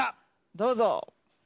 どうぞ。